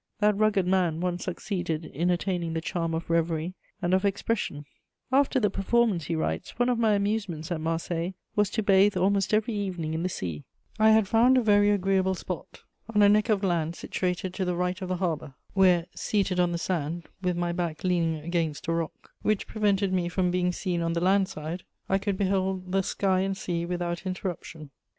That rugged man once succeeded in attaining the charm of reverie and of expression: "After the performance," he writes, "one of my amusements, at Marseilles, was to bathe almost every evening in the sea; I had found a very agreeable spot, on a neck of land situated to the right of the harbour, where, seated on the sand, with my back leaning against a rock, which prevented me from being seen from the land side, I could behold the sky and sea without interruption.